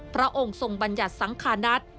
พระองค์ทรงบัญญัติสังขานัท